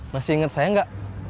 masih inget saya enggak